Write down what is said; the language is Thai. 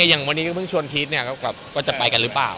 อย่างวันนี้ก็เพิ่งชวนพีชว่าจะไปกันหรือเปล่า